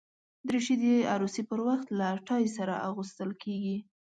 دریشي د عروسي پر وخت له ټای سره اغوستل کېږي.